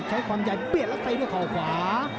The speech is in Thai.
ใช้ความใหญ่เปี้ยนแล้วตีด้วยเขาขวา